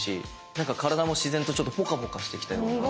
なんか体も自然とちょっとポカポカしてきたりとか。